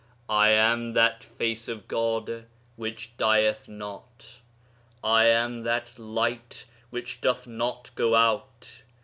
I am that Face of God which dieth not. I am that Light which doth not go out.